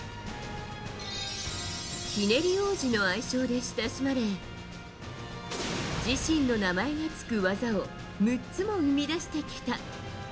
ひねり王子の愛称で親しまれ自身の名前が付く技を６つも生み出してきた。